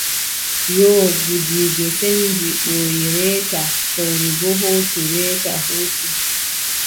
Yoo gudiijo senndi hooyi reeta fowru boo hooci reete huuci.